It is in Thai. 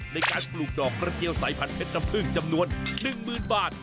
ในการปลูกดอกกระเจียวสายพันธุเพชรน้ำพึ่งจำนวน๑๐๐๐บาท